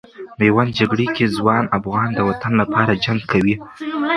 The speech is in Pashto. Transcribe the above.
میوند جګړې کې ځوان افغانان د وطن لپاره جنګ کوي.